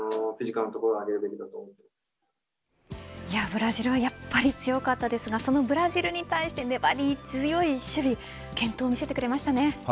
ブラジルはやっぱり強かったですがそのブラジルに対して粘り強い守備健闘を見せてくれました。